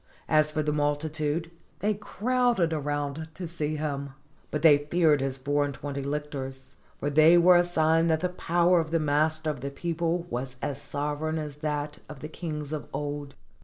[As for the multitude, they crowded round to see him, but they feared his four and twenty lictors; for they were a sign that the power of the master of the people was as sovereign as that of the kings of old.